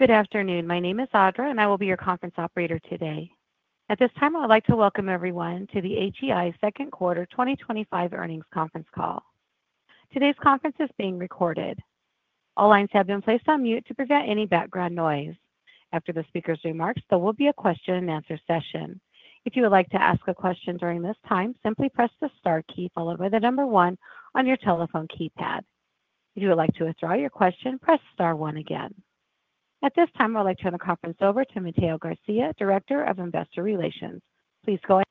Good afternoon. My name is Audra, and I will be your conference operator today. At this time, I would like to welcome everyone to the HEI Second Quarter 2025 Earnings Conference Call. Today's conference is being recorded. All lines have been placed on mute to prevent any background noise. After the speaker's remarks, there will be a question and answer session. If you would like to ask a question during this time, simply press the star key followed by the number one on your telephone keypad. If you would like to withdraw your question, press star one again. At this time, I would like to turn the conference over to Mateo Garcia, Director of Investor Relations. Please go ahead.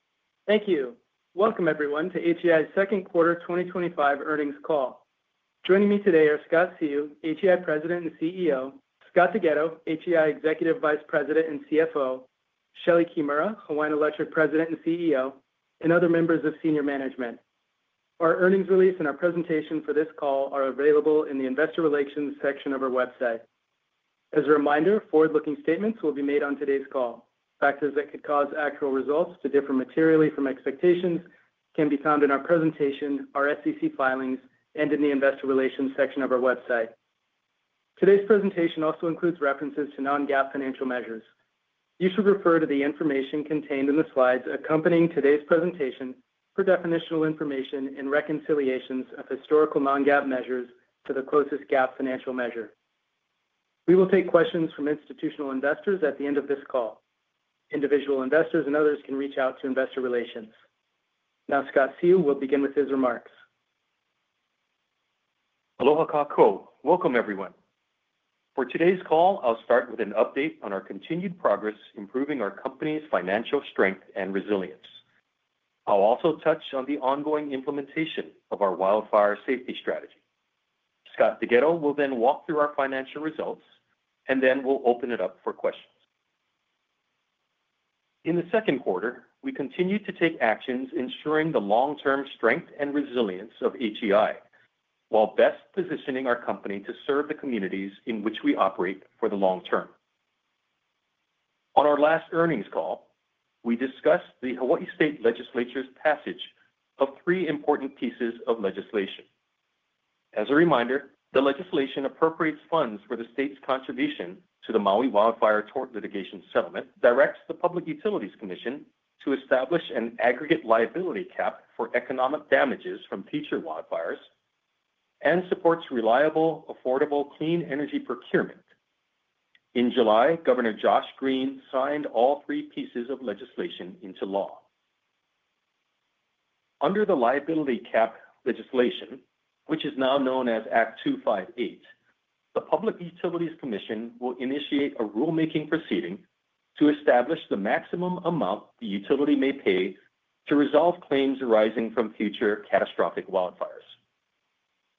Thank you. Welcome, everyone, to HEI' Second Quarter 2025 Earnings Call. Joining me today are Scott Seu, HEI President and CEO; Scott Deghetto, HEI Executive Vice President and CFO; Shelee Kimura, Hawaiian Electric President and CEO; and other members of senior management. Our earnings release and our presentation for this call are available in the Investor Relations section of our website. As a reminder, forward-looking statements will be made on today's call. Factors that could cause actual results to differ materially from expectations can be found in our presentation, our SEC filings, and in the Investor Relations section of our website. Today's presentation also includes references to non-GAAP financial measures. You should refer to the information contained in the slides accompanying today's presentation for definitional information and reconciliations of historical non-GAAP measures to the closest GAAP financial measure. We will take questions from institutional investors at the end of this call. Individual investors and others can reach out to Investor Relations. Now, Scott Seu will begin with his remarks. Aloha kākou! Welcome, everyone. For today's call, I'll start with an update on our continued progress improving our company's financial strength and resilience. I'll also touch on the ongoing implementation of our wildfire safety strategy. Scott Deghetto will then walk through our financial results, and then we'll open it up for questions. In the second quarter, we continued to take actions ensuring the long-term strength and HEI, while best positioning our company to serve the communities in which we operate for the long term. On our last earnings call, we discussed the Hawaii State Legislature's passage of three important pieces of legislation. As a reminder, the legislation appropriates funds for the state's contribution to the Maui Wildfire Tort Litigation Settlement, directs the Public Utilities Commission to establish an aggregate liability cap for economic damages from future wildfires, and supports reliable, affordable, clean energy procurement. In July, Governor Josh Green signed all three pieces of legislation into law. Under the liability cap legislation, which is now known as Act 258, the Public Utilities Commission will initiate a rulemaking proceeding to establish the maximum amount the utility may pay to resolve claims arising from future catastrophic wildfires.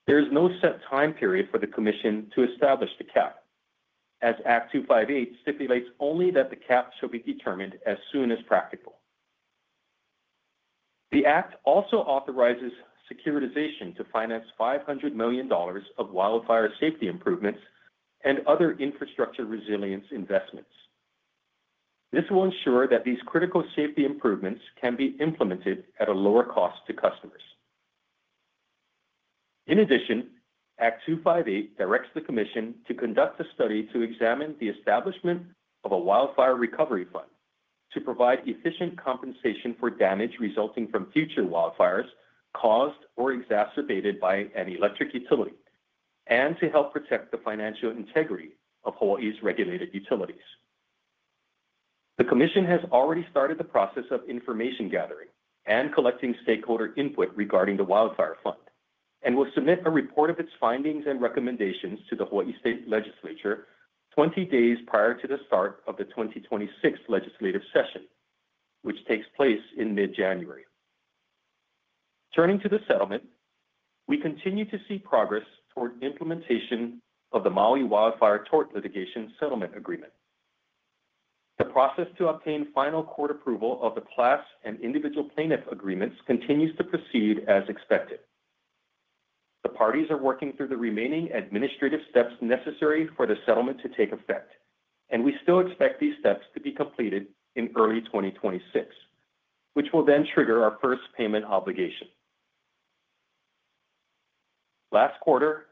There is no set time period for the Commission to establish the cap, as Act 258 stipulates only that the cap shall be determined as soon as practical. The Act also authorizes securitization to finance $500 million of wildfire safety improvements and other infrastructure resilience investments. This will ensure that these critical safety improvements can be implemented at a lower cost to customers. In addition, Act 258 directs the Commission to conduct a study to examine the establishment of a wildfire recovery fund to provide efficient compensation for damage resulting from future wildfires caused or exacerbated by an electric utility, and to help protect the financial integrity of Hawaii's regulated utilities. The Commission has already started the process of information gathering and collecting stakeholder input regarding the wildfire fund, and will submit a report of its findings and recommendations to the Hawaii State Legislature 20 days prior to the start of the 2026 legislative session, which takes place in mid-January. Turning to the settlement, we continue to see progress toward implementation of the Maui Wildfire Tort Litigation Settlement Agreement. The process to obtain final court approval of the class and individual plaintiff agreements continues to proceed as expected. The parties are working through the remaining administrative steps necessary for the settlement to take effect, and we still expect these steps to be completed in early 2026, which will then trigger our first payment obligation. Last quarter,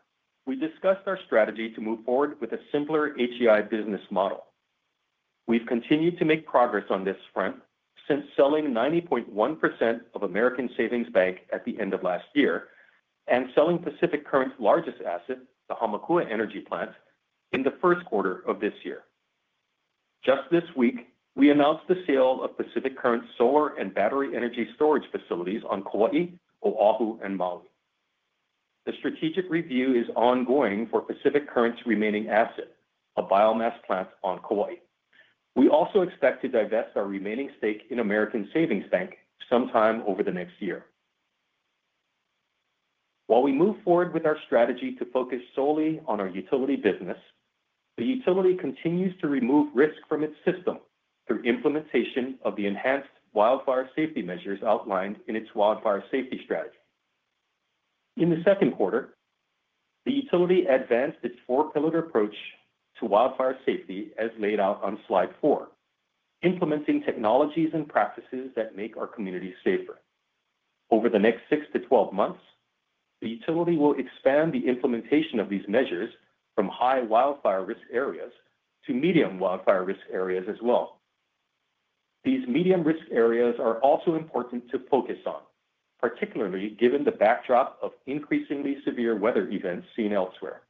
we discussed our strategy to move forward with HEI business model. We've continued to make progress on this front since selling 90.1% of American Savings Bank at the end of last year and selling Pacific Current's largest asset, the Hamakua Energy Plant, in the first quarter of this year. Just this week, we announced the sale of Pacific Current's solar and battery energy storage facilities on Kaua'i, O'ahu, and Maui. The strategic review is ongoing for Pacific Current's remaining asset, a biomass plant on Kaua'i. We also expect to divest our remaining stake in American Savings Bank sometime over the next year. While we move forward with our strategy to focus solely on our utility business, the utility continues to remove risk from its system through implementation of the enhanced wildfire safety measures outlined in its wildfire safety strategy. In the second quarter, the utility advanced its four-pillared approach to wildfire safety as laid out on slide four, implementing technologies and practices that make our communities safer. Over the next six months to 12 months, the utility will expand the implementation of these measures from high wildfire risk areas to medium wildfire risk areas as well. These medium risk areas are also important to focus on, particularly given the backdrop of increasingly severe weather events seen elsewhere.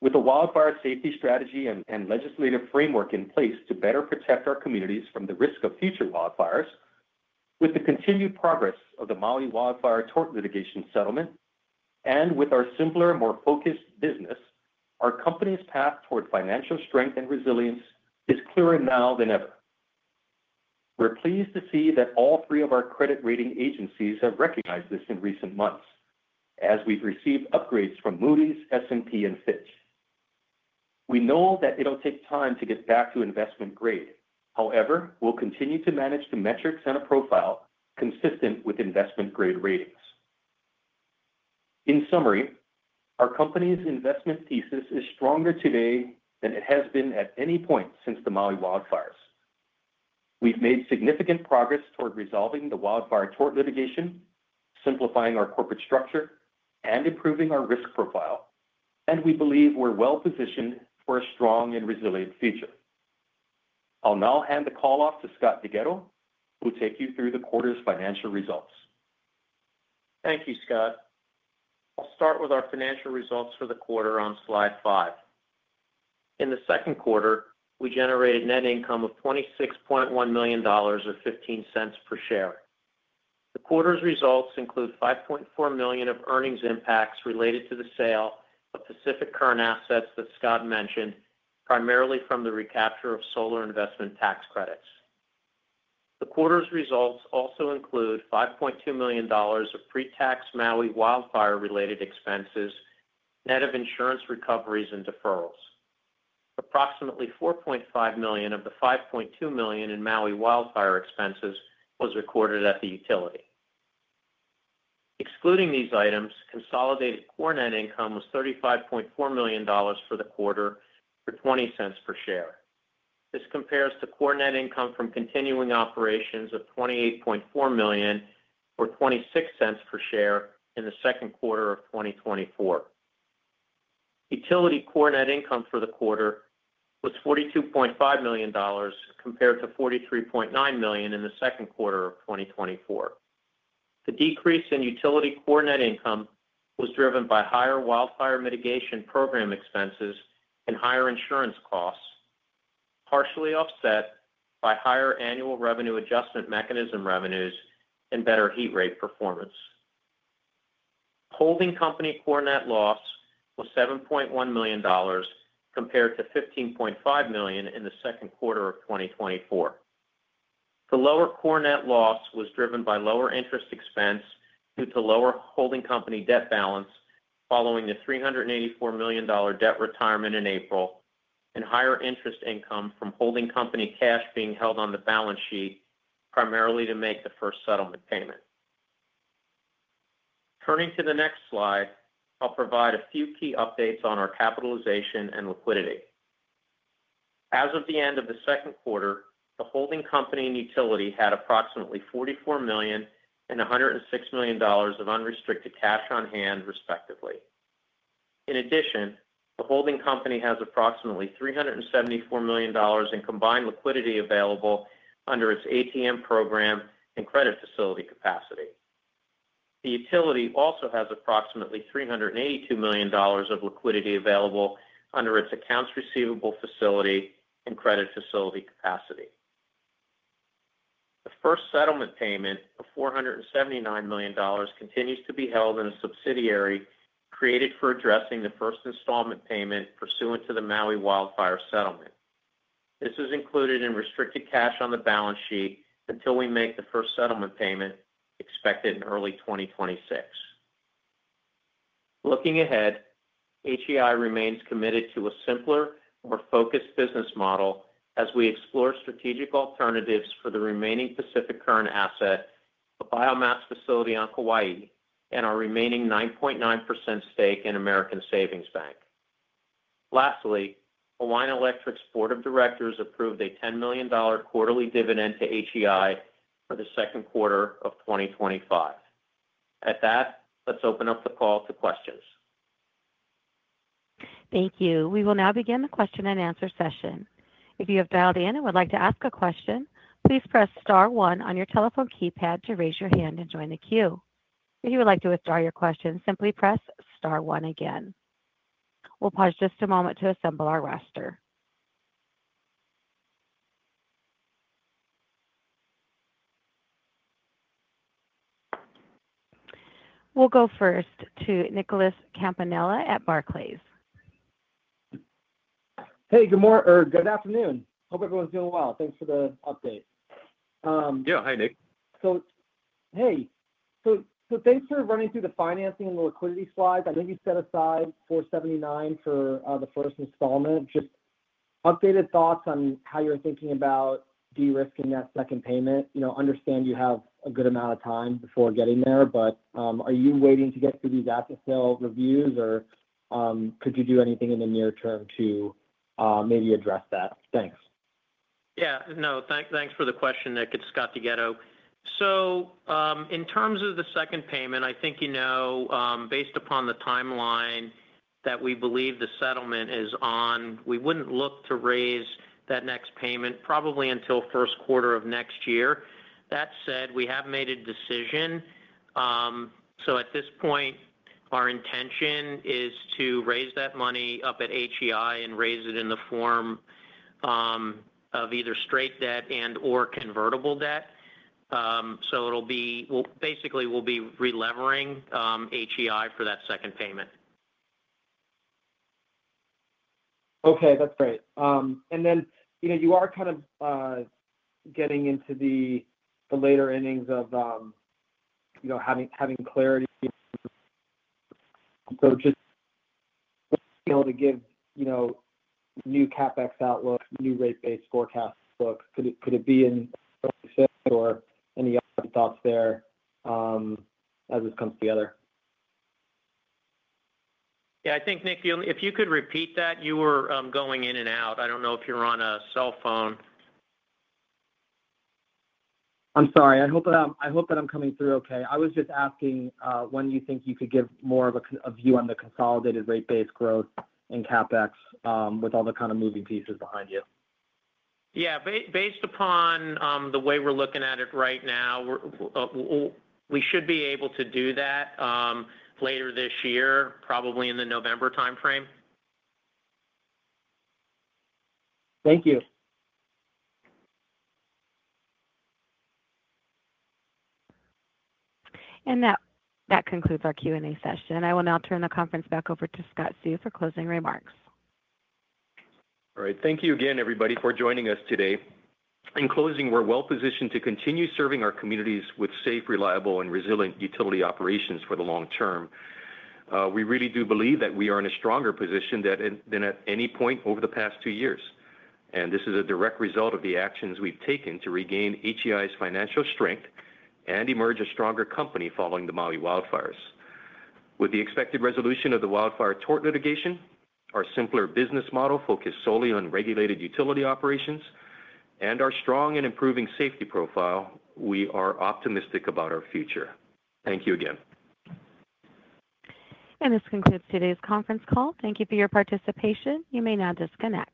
With a wildfire safety strategy and legislative framework in place to better protect our communities from the risk of future wildfires, with the continued progress of the Maui wildfire tort litigation settlement, and with our simpler, more focused business, our company's path toward financial strength and resilience is clearer now than ever. We're pleased to see that all three of our credit rating agencies have recognized this in recent months, as we've received upgrades from Moody's, S&P, and Fitch. We know that it'll take time to get back to investment grade, however, we'll continue to manage the metrics and a profile consistent with investment grade ratings. In summary, our company's investment thesis is stronger today than it has been at any point since the Maui wildfires. We've made significant progress toward resolving the wildfire tort litigation, simplifying our corporate structure, and improving our risk profile, and we believe we're well positioned for a strong and resilient future. I'll now hand the call off to Scott Deghetto, who will take you through the quarter's financial results. Thank you, Scott. I'll start with our financial results for the quarter on slide five. In the second quarter, we generated a net income of $26.1 million or $0.15 per share. The quarter's results include $5.4 million of earnings impacts related to the sale of Pacific Current assets that Scott mentioned, primarily from the recapture of solar investment tax credits. The quarter's results also include $5.2 million of pre-tax Maui wildfire-related expenses, net of insurance recoveries and deferrals. Approximately $4.5 million of the $5.2 million in Maui wildfire expenses was recorded at the utility. Excluding these items, consolidated core net income was $35.4 million for the quarter, or $0.20 per share. This compares to core net income from continuing operations of $28.4 million, or $0.26 per share, in the second quarter of 2024. Utility core net income for the quarter was $42.5 million compared to $43.9 million in the second quarter of 2024. The decrease in utility core net income was driven by higher wildfire mitigation program expenses and higher insurance costs, partially offset by higher annual revenue adjustment mechanism revenues and better heat rate performance. Holding company core net loss was $7.1 million compared to $15.5 million in the second quarter of 2024. The lower core net loss was driven by lower interest expense due to lower holding company debt balance following the $384 million debt retirement in April and higher interest income from holding company cash being held on the balance sheet, primarily to make the first settlement payment. Turning to the next slide, I'll provide a few key updates on our capitalization and liquidity. As of the end of the second quarter, the holding company and utility had approximately $44 million and $106 million of unrestricted cash on hand, respectively. In addition, the holding company has approximately $374 million in combined liquidity available under its ATM program and credit facility capacity. The utility also has approximately $382 million of liquidity available under its accounts receivable facility and credit facility capacity. The first settlement payment of $479 million continues to be held in a subsidiary created for addressing the first installment payment pursuant to the Maui wildfire settlement. This is included in restricted cash on the balance sheet until we make the first settlement payment expected in early 2026. HEI remains committed to a simpler, more focused business model as we explore strategic alternatives for the remaining Pacific Current asset, the biomass facility on Kaua'i, and our remaining 9.9% stake in American Savings Bank. Lastly, Hawaiian Electric's Board of Directors approved a $10 million quarterly HEI for the second quarter of 2025. At that, let's open up the call to questions. Thank you. We will now begin the question and answer session. If you have dialed in and would like to ask a question, please press star one on your telephone keypad to raise your hand and join the queue. If you would like to withdraw your question, simply press star one again. We'll pause just a moment to assemble our roster. We'll go first to Nicholas Campanella at Barclays. Good morning or good afternoon. Hope everyone's doing well. Thanks for the update. Hi, Nick. Thanks for running through the financing and the liquidity slides. I know you set aside $479 million for the first installment. Just updated thoughts on how you're thinking about de-risking that second payment. I understand you have a good amount of time before getting there, but are you waiting to get through these asset sale reviews or could you do anything in the near term to maybe address that? Thanks. Yeah, no, thanks for the question, Nick. It's Scott Deghetto. In terms of the second payment, based upon the timeline that we believe the settlement is on, we wouldn't look to raise that next payment probably until the first quarter of next year. That said, we have made a decision. At this point, our intention is to raise that money up at HEI and raise it in the form of either straight debt and/or convertible debt. It'll be, basically, we'll be re-levering HEI for that second payment. Okay, that's great. You are kind of getting into the later innings of having clarity. Just to give new CapEx outlook, new rate base forecast look, could it be in what you said or any other thoughts there as this comes together? Yeah, I think, Nick, if you could repeat that, you were going in and out. I don't know if you're on a cell phone. I'm sorry. I hope that I'm coming through okay. I was just asking when you think you could give more of a view on the consolidated rate base growth and CapEx with all the kind of moving pieces behind you. Based upon the way we're looking at it right now, we should be able to do that later this year, probably in the November timeframe. Thank you. That concludes our Q&A session. I will now turn the conference back over to Scott Seu for closing remarks. All right. Thank you again, everybody, for joining us today. In closing, we're well positioned to continue serving our communities with safe, reliable, and resilient utility operations for the long term. We really do believe that we are in a stronger position than at any point over the past two years. This is a direct result of the actions we've taken HEI' financial strength and emerge a stronger company following the Maui wildfires. With the expected resolution of the wildfire tort litigation, our simpler business model focused solely on regulated utility operations, and our strong and improving safety profile, we are optimistic about our future. Thank you again. This concludes today's conference call. Thank you for your participation. You may now disconnect.